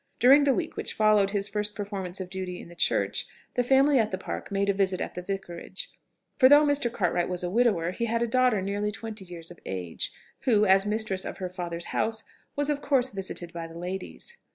During the week which followed his first performance of duty in the church, the family at the Park made a visit at the Vicarage: for though Mr. Cartwright was a widower, he had a daughter nearly twenty years of age, who, as mistress of her father's house, was of course visited by the ladies.